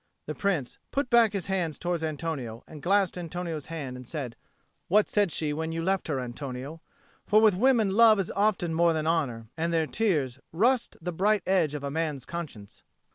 The Prince put back his hand towards Antonio and clasped Antonio's hand, and said, "What said she when you left her, Antonio? For with women love is often more than honour, and their tears rust the bright edge of a man's conscience."